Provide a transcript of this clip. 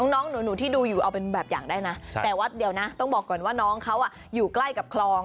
น้องหนูที่ดูอยู่เอาเป็นแบบอย่างได้นะแต่วัดเดียวนะต้องบอกก่อนว่าน้องเขาอยู่ใกล้กับคลอง